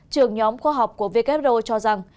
trưởng nhóm khoa học của wkro cho rằng